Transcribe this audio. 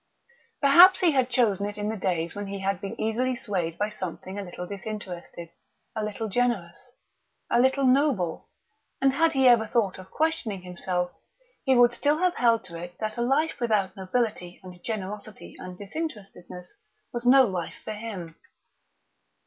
Perhaps he had chosen it in the days when he had been easily swayed by something a little disinterested, a little generous, a little noble; and had he ever thought of questioning himself he would still have held to it that a life without nobility and generosity and disinterestedness was no life for him.